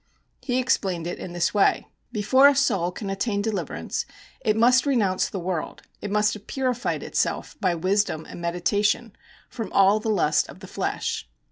He explained it in this way: 'Before a soul can attain deliverance it must renounce the world, it must have purified itself by wisdom and meditation from all the lust of the flesh.